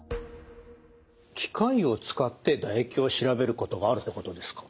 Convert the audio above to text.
機械を使って唾液を調べることがあるってことですか？